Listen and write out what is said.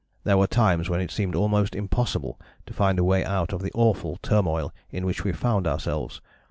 There were times when it seemed almost impossible to find a way out of the awful turmoil in which we found ourselves....